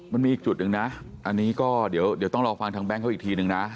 มันมีอีกจุดหนึ่งนะอันนี้ก็เดี๋ยวต้องรอฟังทางแก๊งเขาอีกทีนึงนะ